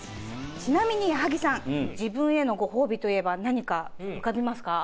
ちなみに矢作さん自分へのご褒美といえば何か浮かびますか？